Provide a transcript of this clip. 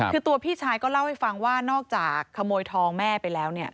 คือตัวพี่ชายก็เล่าให้ฟังว่านอกจากขโมยทองแม่ไปแล้วเนี่ย